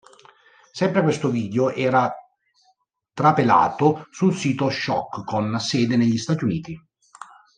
Sempre questo video era trapelato su un sito shock con sede negli Stati Uniti.